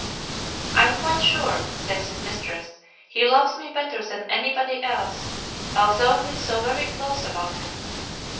"I am quite sure," says his mistress, "he loves me better than anybody else, although he is so very close about it.